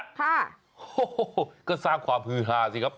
โฮก็สร้างความฮือหาสิครับ